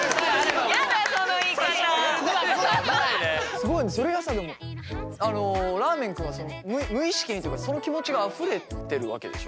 すごいなそれがさらーめん君は無意識にというかその気持ちがあふれてるわけでしょ？